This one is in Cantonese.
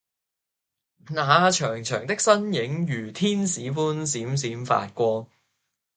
那長長的身影如天使般閃閃發光